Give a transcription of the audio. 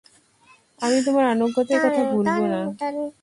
আমি তোমার আনুগত্যের কথা ভুলবো না!